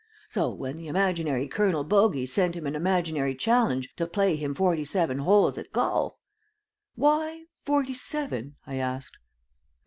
So when the imaginary Colonel Bogey sent him an imaginary challenge to play him forty seven holes at golf " "Why forty seven?" I asked.